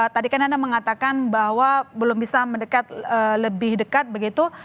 tadi kan anda mengatakan bahwa belum bisa mendekat lebih dekat begitu